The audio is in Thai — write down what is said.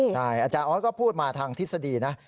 ใช่อาจารย์ออสก็พูดมาทางทฤษฎีนะ